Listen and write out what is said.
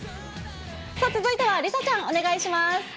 続いては梨紗ちゃん、お願いします。